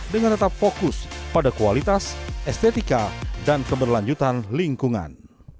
dengan tetap fokus pada kualitas estetika dan keberlanjutan lingkungan